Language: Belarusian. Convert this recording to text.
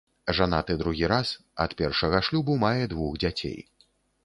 Жанаты другі раз, ад першага шлюбу мае двух дзяцей.